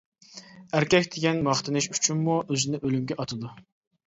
ئەركەك دېگەن ماختىنىش ئۈچۈنمۇ ئۆزىنى ئۆلۈمگە ئاتىدۇ.